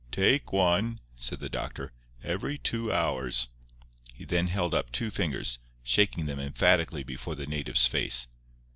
"Take one," said the doctor, "every two hours." He then held up two fingers, shaking them emphatically before the native's face.